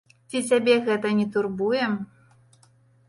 Ці цябе гэта не турбуе?